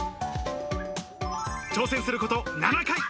挑戦すること７回。